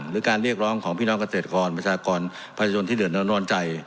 หรือการเรียกร้องของพี่น้องเกษตรกรประชากรประชาชนที่เดือดร้อนใจ